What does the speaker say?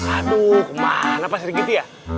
aduh kemana pak sri kiti ya